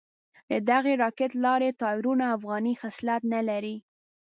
ددغې راکېټ لارۍ ټایرونه افغاني خصلت نه لري.